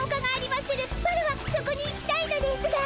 ワラワそこに行きたいのですが。